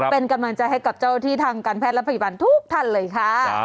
เป็นกำลังใจให้กับเจ้าที่ทางการแพทย์และพยาบาลทุกท่านเลยค่ะ